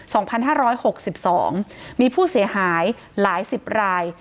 สองพันห้าร้อยหกสิบสองมีผู้เสียหายหลายสิบราย